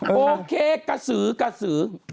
โอเคกระสือกระสือ